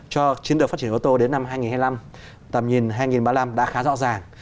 cho chiến lược phát triển ô tô đến năm hai nghìn hai mươi năm tầm nhìn hai nghìn ba mươi năm đã khá rõ ràng